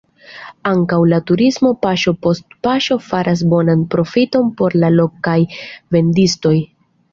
Ankaŭ la turismo paŝo post paŝo faras bonan profiton por la lokaj vendistoj.